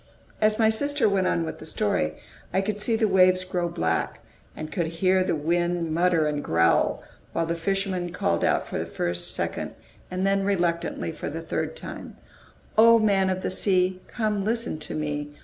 As my sister went on with the story, I could see the waves grow black, and could hear the wind mutter and growl, while the fisherman called for the first, second, and then reluctantly, for the third time: "O Man of the Sea, Come listen to me!